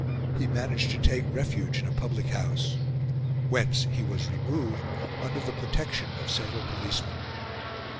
he managed to take refuge in a public house, whence he was removed under the protection of several policemen.